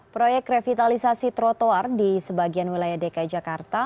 proyek revitalisasi trotoar di sebagian wilayah dki jakarta